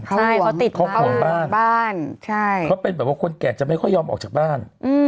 ใช่เขาติดเขาห่วงบ้านบ้านเขาเป็นแบบว่าคนแก่จะไม่ค่อยยอมออกจากบ้าน